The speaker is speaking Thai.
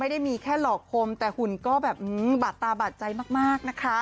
ไม่ได้มีแค่หลอกคมแต่หุ่นก็แบบบาดตาบาดใจมากนะคะ